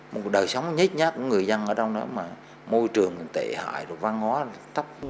một đời sống nhít nhát của người dân ở trong đó mà môi trường tệ hại văn hóa tấp